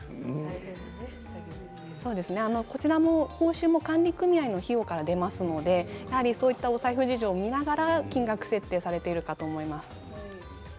こちらも管理組合の費用から出ますのでお財布事情を見ながら金額設定をされているかと思います。